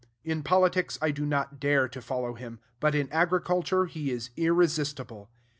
In politics I do not dare to follow him; but in agriculture he is irresistible.